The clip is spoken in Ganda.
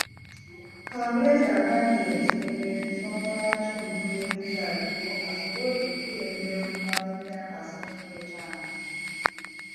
Kabuleta agamba nti eno y'ensonga lwaki omukulembeze aliko asobodde okubakulembera okumala emyaka asatu mw'etaano